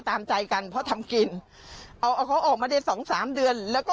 ตามใจกันเพราะทำกินเอาเอาเขาออกมาได้สองสามเดือนแล้วก็